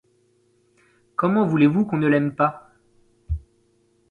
Comment voulez-vous qu'on ne l'aime pas !